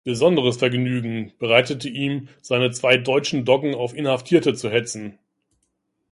Besonderes Vergnügen bereitete ihm, seine zwei deutschen Doggen auf Inhaftierte zu hetzen.